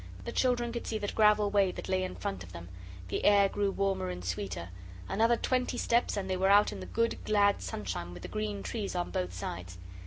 The children could see the gravel way that lay in front of them; the air grew warmer and sweeter. Another twenty steps and they were out in the good glad sunshine with the green trees on both sides.